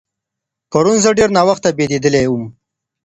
پرون زه ډېر ناوخته بېدېدلی وم.